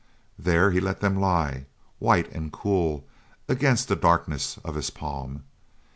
There he let them lie, white and cool, against the darkness of his palm.